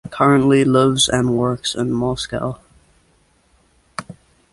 Currently lives and works in Moscow.